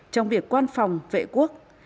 trong việc quan phòng vệ quốc